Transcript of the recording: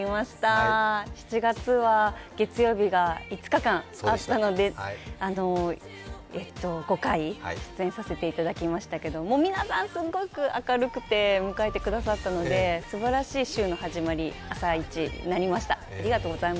７月は月曜日が５日間ありましたので５回出演させていただきましたけど皆さんすごく明るく迎えてくださったので、すばらしい週の始まり、朝イチになりました。